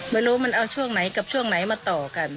ไม่รู้มันเอาช่วงไหนกับช่วงไหนมาต่อกัน